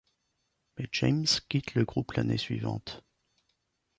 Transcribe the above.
Mais James quitte le groupe l'année suivante.